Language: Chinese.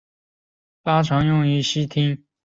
钯常用于烯烃或炔烃发生氢化反应的催化剂。